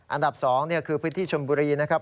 อันดับ๒คือพื้นที่ชนบุรีนะครับ